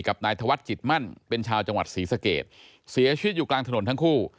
กับนายธวัฒนจิตมั่นเป็นชาวจังหวัดศรีสเกตเสียชีวิตอยู่กลางถนนทั้งคู่